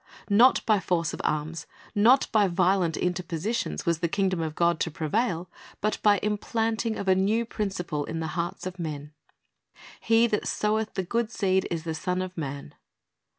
Not by force of arms, not by violent interpositions, was the kingdom of God to prevail, but by the implanting of a new principle in the hearts of men. "He that soweth the good seed is the Son of man."